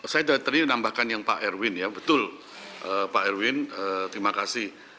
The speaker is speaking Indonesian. saya tadi menambahkan yang pak erwin ya betul pak erwin terima kasih